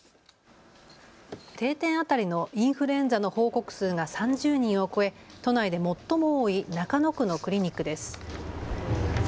定点当たりのインフルエンザの報告数が３０人を超え都内で最も多い中野区のクリニックです。